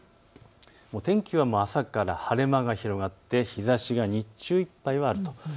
お天気は朝から晴れ間が広がって日ざしが日中いっぱいはあると。